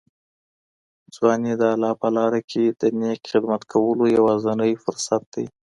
ځواني د الله په لاره کي د نېک خدمت کولو یوازینی فرصت دی.